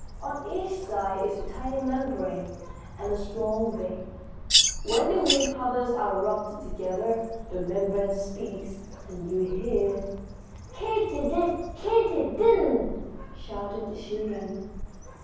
On each side is a tiny membrane and a strong vein. When the wing covers are rubbed together the membrane speaks, and you hear " "Katy did, Katy didn't!" shouted the children.